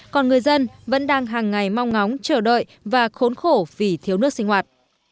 còn người dân vẫn đang hàng ngày mong ngóng chờ đợi và khốn khổ vì thiếu nước sinh hoạt